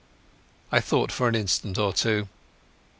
I thought for an instant or two.